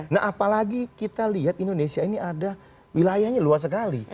nah apalagi kita lihat indonesia ini ada wilayahnya luas sekali